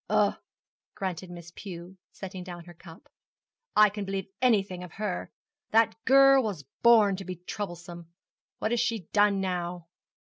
'Ah,' grunted Miss Pew, setting down her cup; 'I can believe anything of her. That girl was born to be troublesome. What has she done now?'